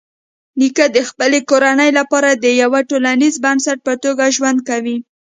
نیکه د خپلې کورنۍ لپاره د یوه ټولنیز بنسټ په توګه ژوند کوي.